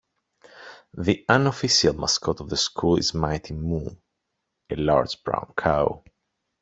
The unofficial mascot of the school is "Mighty Moo", a large brown cow.